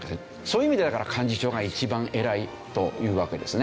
そういう意味でだから幹事長が一番偉いというわけですね。